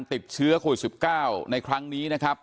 ติดเชื้อโควิด๑๙ในครั้งนี้นะครับ